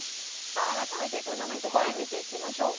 さあ改めてトーナメント表を見ていきましょう。